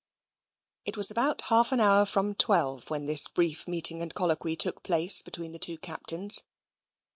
It was about half an hour from twelve when this brief meeting and colloquy took place between the two captains.